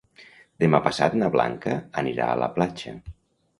Demà passat na Blanca anirà a la platja.